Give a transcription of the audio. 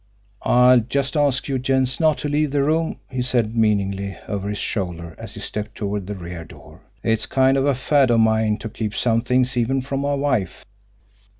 "I'll just ask you gents not to leave the room," he said meaningly, over his shoulder, as he stepped toward the rear door. "It's kind of a fad of mine to keep some things even from my wife!"